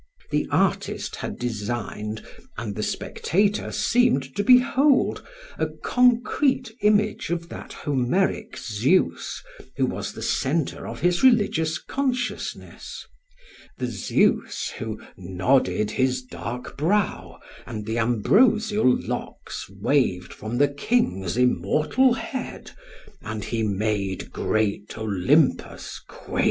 The artist had designed and the spectator seemed to behold a concrete image of that Homeric Zeus who was the centre of his religious consciousness the Zeus who "nodded his dark brow, and the ambrosial locks waved from the King's immortal head, and he made great Olympus quake."